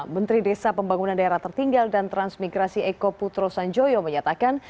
menteri desa pembangunan daerah tertinggal dan transmigrasi eko putro sanjoyo menyatakan